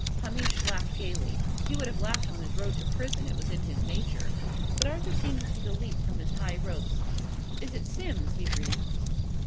Hamish laughed gaily. He would have laughed on his road to prison: it was in his nature. But Arthur seemed to take a leap from his high ropes. "Is it Simms?" he breathed.